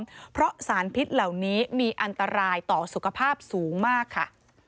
สู่สิ่งแวดล้อมเพราะสารพิษเหล่านี้มีอันตรายต่อสุขภาพสูงมากค่ะ